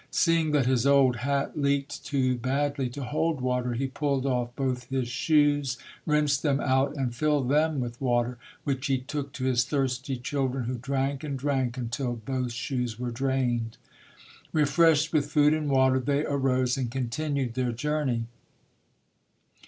Seeing that his old hat leaked too badly to hold water, he pulled off both his shoes, rinsed them out and filled them with water, which he took to his thirsty children, who drank and drank until both shoes were drained. Refreshed with food and water, they arose and continued their journey.